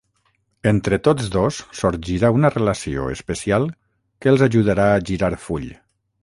Entre tots dos sorgirà una relació especial que els ajudarà a girar full.